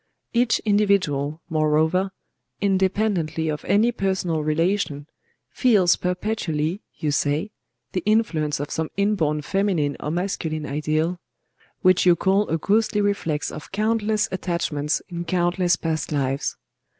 Each individual, moreover, independently of any personal relation, feels perpetually, you say, the influence of some inborn feminine or masculine ideal, which you call 'a ghostly reflex of countless attachments in countless past lives.